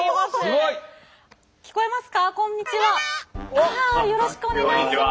あよろしくお願いします。